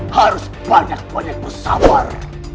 harus banyak banyak bersabar